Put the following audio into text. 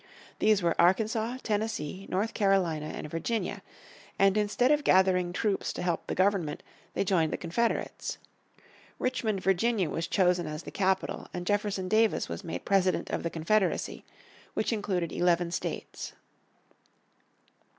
These were Arkansas, Tennessee, North Carolina and Virginia, and instead of gathering troops to help the Government they joined the Confederates. Richmond, Virginia, was chosen as the capital and Jefferson Davis was made President of the Confederacy, which included eleven states.